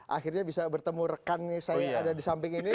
akhirnya bisa bertemu rekan saya yang ada di samping ini